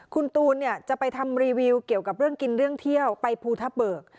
คุณตูนเนี่ยจะไปทำรีวิวเกี่ยวกับเรื่องกินเรื่องเที่ยวไปภูทับเบิก